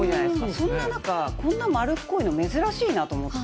そんな中こんな丸っこいの珍しいなと思って。